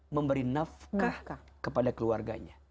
memberi nafkah kepada keluarganya